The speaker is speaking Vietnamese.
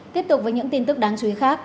tiếp tục với những tin tức đáng chú ý khác